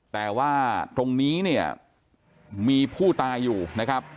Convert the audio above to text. แต่ว่าตรงนี้เนี่ยมีผู้ตายอยู่นะครับ